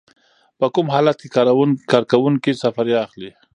په کوم حالت کې کارکوونکی سفریه اخلي؟